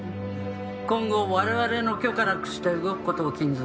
「今後我々の許可なくして動く事を禁ず」